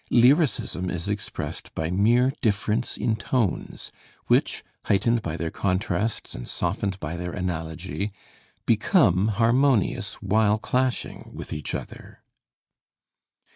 Lyricism is expressed by mere difference in tones, which, heightened by their contrasts and softened by their analogy, become harmonious while clashing with each other.